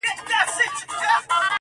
څه نعمت خالق راکړی وو ارزانه-